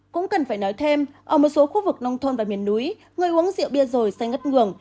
cũng cần phải nói thêm ở một số khu vực nông thôn và miền núi người uống rượu bia rồi xe ngất ngường